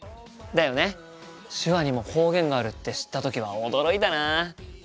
手話にも方言があるって知った時は驚いたな。